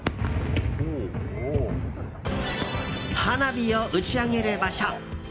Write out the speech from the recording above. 花火を打ち上げる場所。